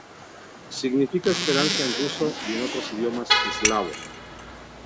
Significa esperanza en ruso y en otros idiomas eslavos.